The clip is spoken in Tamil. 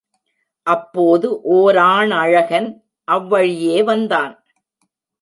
அப்போது ஓராணழகன் அவ்வழியே வந்தான்.